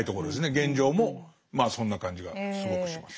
現状もまあそんな感じがすごくします。